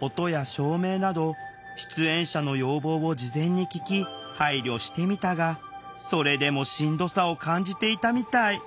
音や照明など出演者の要望を事前に聞き配慮してみたがそれでもしんどさを感じていたみたい。